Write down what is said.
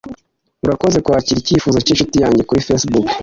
Urakoze kwakira icyifuzo cyinshuti yanjye kuri Facebook.